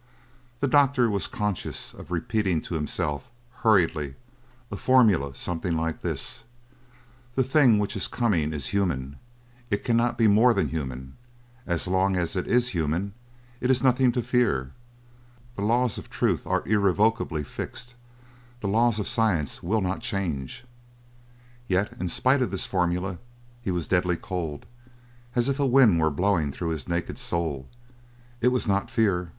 The doctor was conscious of repeating to himself, hurriedly, a formula something like this: "The thing which is coming is human; it cannot be more than human; as long as it is human it is nothing to fear; the laws of truth are irrevocably fixed; the laws of science will not change." Yet in spite of this formula he was deadly cold, as if a wind were blowing through his naked soul. It was not fear.